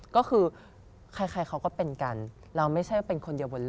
ก็คือใครเขาก็เป็นกันเราไม่ใช่เป็นคนเดียวบนโลก